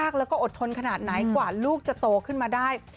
แล้วก็อดทนขนาดไหนกว่าลูกจะโตขึ้นมาได้